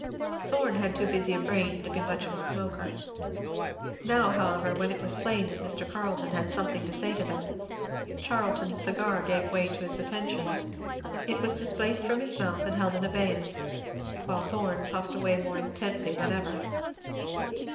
Thorn had too busy a brain to be much of a smoker. Now, however, when it was plain that Mr. Carleton had something to say to them, Charlton's cigar gave way to his attention; it was displaced from his mouth and held in abeyance; while Thorn puffed away more intently than ever.